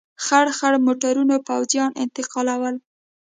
خړ خړ موټرونه پوځیان انتقالول.